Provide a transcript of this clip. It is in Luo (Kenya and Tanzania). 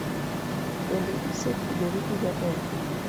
Bende isetudori gi jatelo?